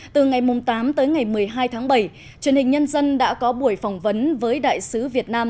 từ ngày tám tới ngày một mươi hai tháng bảy truyền hình nhân dân đã có buổi phỏng vấn với đại sứ việt nam